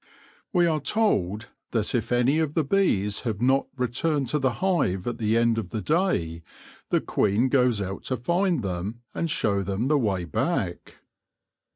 We are told that if any of the bees have not returned to the hive at the end of the day, the queen goes out to find them and show them the way back.